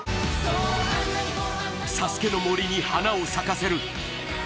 ＳＡＳＵＫＥの杜に花を咲かせる。